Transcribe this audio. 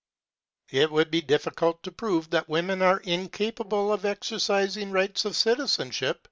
It would be difficult to prove that women are incapable of exercising the rights of citizenship.